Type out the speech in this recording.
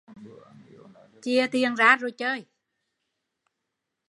Chìa tiền ra rồi chơi